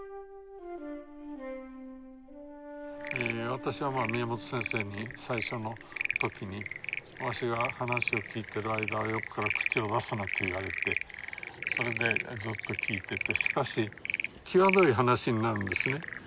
私は宮本先生に最初の時に「わしが話を聞いてる間は横から口を出すな」と言われてそれでずっと聞いててしかし際どい話になるんですね。